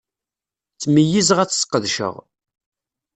Ttmeyyizeɣ ad t-ssqedceɣ.